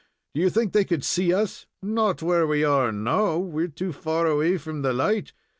Do you think they could see us?" "Not where we are now. We're too far away from the light.